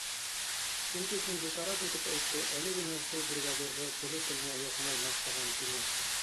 — Шул тиклем битараф итеп әйтте, әле генә шул бригадирҙы теле-теленә йоҡмай маҡтаған тимәҫһең.